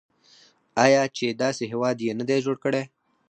آیا چې داسې هیواد یې نه دی جوړ کړی؟